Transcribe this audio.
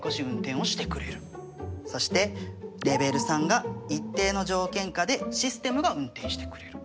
そしてレベル３が一定の条件下でシステムが運転してくれる。